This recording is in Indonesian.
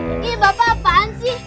ini bapak apaan sih